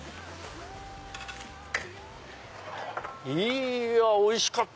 いやおいしかった！